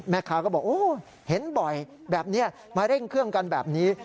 แม่ค้าก็บอกโอ้เห็นบ่อยแบบนี้มาเร่งเครื่องกันแบบนี้